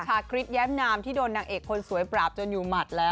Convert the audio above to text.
คริสแย้มนามที่โดนนางเอกคนสวยปราบจนอยู่หมัดแล้ว